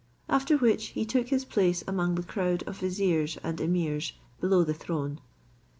After which he took his place among the crowd of viziers and emirs below the throne.